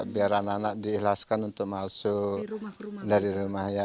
biar anak anak diikhlaskan untuk masuk dari rumah ya